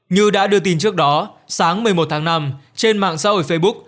như đã đưa tin trước đó sáng một mươi một tháng năm trên mạng xã hội facebook